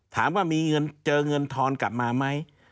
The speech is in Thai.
ถามว่าเจอเงินทรกลับมาไหม